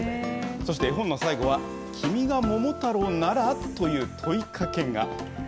そして絵本の最後は、君が桃太郎なら？という問いかけが。